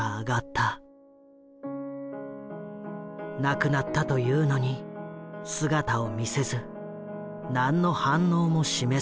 亡くなったというのに姿を見せず何の反応も示さない。